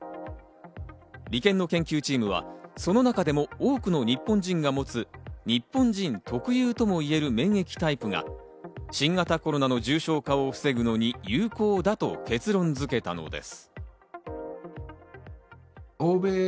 理研の研究チームはその中でも多くの日本人が持つ日本人特有ともいえる免疫タイプが新型コロナの重症化を防ぐのに有効だと結論づけたのです。